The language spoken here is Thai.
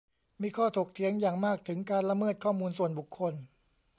มีข้อถกเถียงอย่างมากถึงการละเมิดข้อมูลส่วนบุคคล